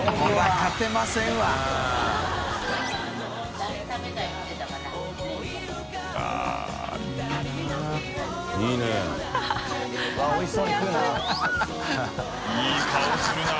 圍函いい顔するな。